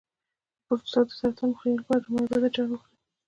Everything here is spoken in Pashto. د پروستات د سرطان مخنیوي لپاره رومي بانجان وخورئ